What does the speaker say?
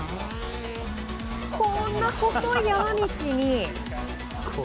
こんな細い山道に。